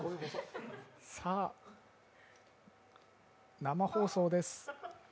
さあ、生放送です。